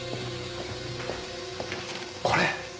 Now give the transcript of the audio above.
これ！